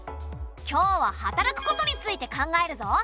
今日は働くことについて考えるぞ！